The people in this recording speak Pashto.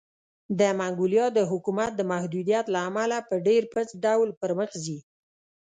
د منګولیا د حکومت د محدودیت له امله په ډېرپڅ ډول پرمخ ځي.